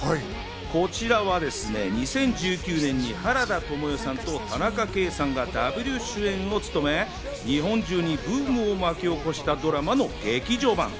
こちらは２０１９年に原田知世さんと田中圭さんがダブル主演を務め、日本中にブームを巻き起こしたドラマの劇場版。